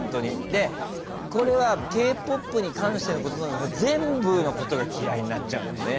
でこれはＫ−ＰＯＰに関してのことなんですけど全部のことが嫌いになっちゃうんだよね。